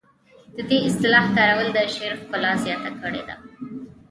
د دې اصطلاح کارول د شعر ښکلا زیاته کړې ده